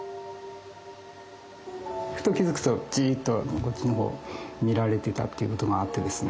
ふと気付くとじっとこっちの方を見られてたっていうことがあってですね